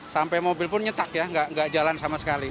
sampai mobil pun nyetak ya nggak jalan sama sekali